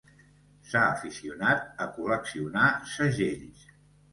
S'ha aficionat a col·leccionar segells.